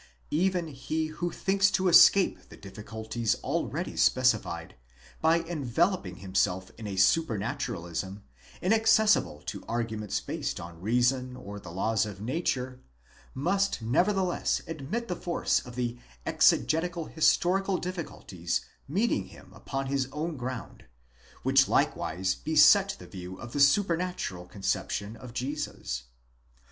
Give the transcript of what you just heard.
Even he who thinks to escape the difficulties already specified, by envelop ing himself in a supranaturalism, inaccessible to arguments based on reason or the laws of nature, must nevertheless admit the force of the exegetical ἡ Aistorical difficulties meeting him upon his own ground, which likewise beset the view of the supernatural conception of Jesus.